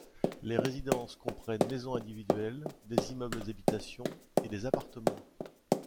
Les résidences comprennent maisons individuelles, des immeubles d'habitation et des appartements.